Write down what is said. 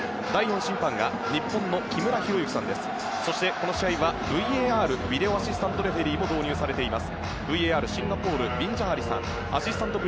この試合はＶＡＲ・ビデオアシスタントレフェリーも導入されています。